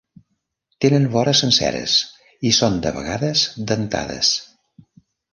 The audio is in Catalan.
Tenen vores senceres i són de vegades dentades.